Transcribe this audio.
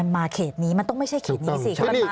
มันมาเขตนี้มันต้องไม่เฉพาะเขตนี้สิ